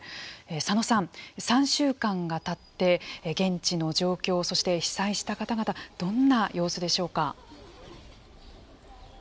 佐野さん、３週間がたって現地の状況そして被災した方々どんな様子でしょうか。